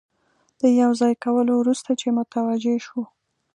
د یو ځای کولو وروسته چې متوجه شو.